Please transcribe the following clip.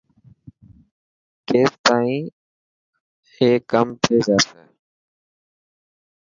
ڪيس تائن ايئو ڪم ٿي جاسي.